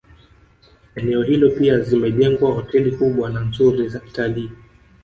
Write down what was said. Eneo hilo pia zimejengwa hoteli kubwa na nzuri za kitalii